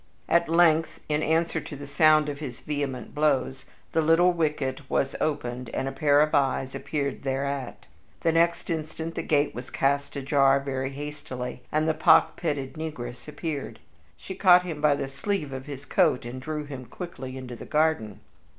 At length, in answer to the sound of his vehement blows, the little wicket was opened and a pair of eyes appeared thereat. The next instant the gate was cast ajar very hastily, and the pock pitted negress appeared. She caught him by the sleeve of his coat and drew him quickly into the garden.